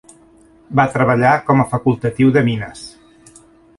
Va treballar com a facultatiu de mines.